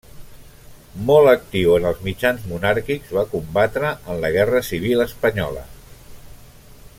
Molt actiu en els mitjans monàrquics, va combatre en la Guerra Civil espanyola.